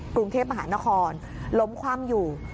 กรุงเทพมหานครล้มคว่ำอยู่